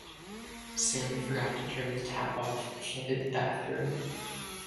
Stanley forgot to turn the tap off and flooded the bathroom.